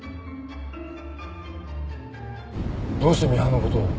どうしてミハンのことを？